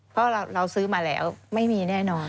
เพราะเราซื้อมาแล้วไม่มีแน่นอน